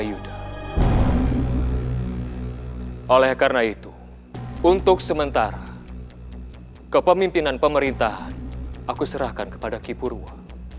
untuk sementara kepemimpinan pemerintah aku serahkan kepada ki purwa